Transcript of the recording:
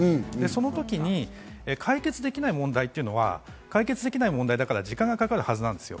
その時に解決できない問題というのは解決できない問題だから時間がかかるはずなんですよ。